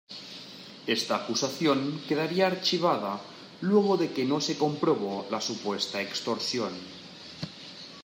Esta acusación quedaría archivada luego de que no se comprobó la supuesta extorsión.